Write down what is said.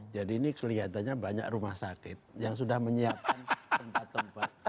jadi ini kelihatannya banyak rumah sakit yang sudah menyiapkan tempat tempat